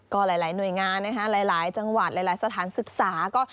ก็หลายหน่วยงานนะคะหลายจังหวัดหลายสถานศึกษาก็